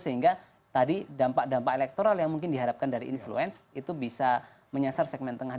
sehingga tadi dampak dampak elektoral yang mungkin diharapkan dari influence itu bisa menyasar segmen tengah